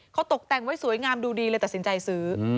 เขาตกแต่งไว้สวยงามดูดีเลยตัดสินใจซื้อ